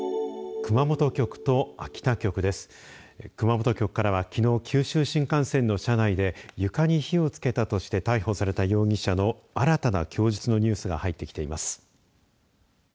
熊本局からはきのう、九州新幹線の車内で床に火をつけたとして逮捕された容疑者の新たな供述のニュースが入ってきています。